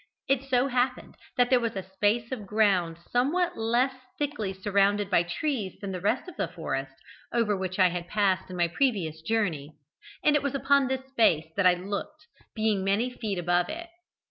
It so happened that there was a space of ground somewhat less thickly surrounded by trees than the rest of the forest, over which I had passed in my previous journey, and it was upon this space that I looked, being many feet above it.